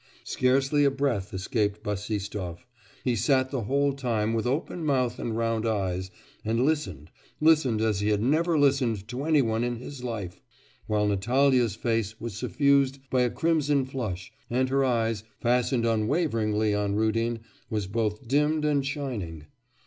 Scarcely a breath escaped Bassistoff; he sat the whole time with open mouth and round eyes and listened listened as he had never listened to any one in his life while Natalya's face was suffused by a crimson flush, and her eyes, fastened unwaveringly on Rudin, were both dimmed and shining.